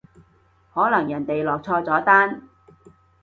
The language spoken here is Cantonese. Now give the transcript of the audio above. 可能人哋落錯咗單